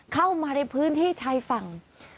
เข้ามาในพื้นที่ชายฝั่ง